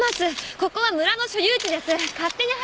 ここは村の所有地です。